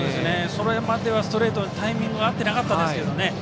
それまではストレートにタイミングが合っていなかったんですけどね。